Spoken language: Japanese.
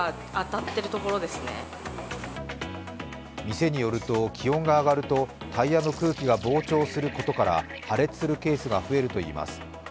店によると、気温が上がるとタイヤの空気が膨張することから、破裂するケースが増えるといいます。